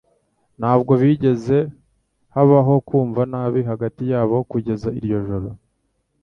Ntabwo bigeze habaho kumva nabi hagati yabo kugeza iryo joro.